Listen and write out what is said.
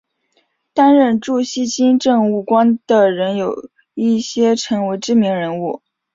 担任驻锡金政务官的人有一些成为知名人物。